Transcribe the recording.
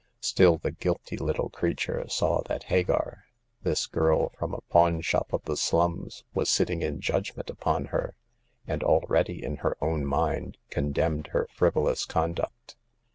Still, the guilty little creature saw that Hagar— this girl from a pawn shop of the slums— was sitting in judgment upon her, and already, in her own mind, condemned her frivolous conduct.